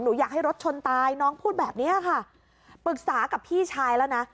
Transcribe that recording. อยากให้รถชนตายน้องพูดแบบเนี้ยค่ะปรึกษากับพี่ชายแล้วนะ